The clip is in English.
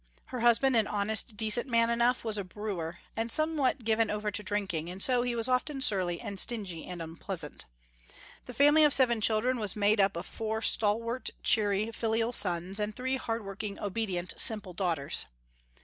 Her husband an honest, decent man enough, was a brewer, and somewhat given to over drinking, and so he was often surly and stingy and unpleasant. The family of seven children was made up of four stalwart, cheery, filial sons, and three hard working obedient simple daughters.